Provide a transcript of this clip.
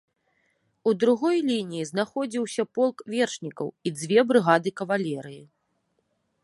У другой лініі знаходзіўся полк вершнікаў і дзве брыгады кавалерыі.